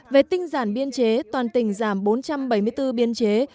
về tinh giản biên chế toàn tỉnh giảm bốn trăm bảy mươi bốn biên chế